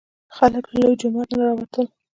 خلک له لوی جومات نه راوتل.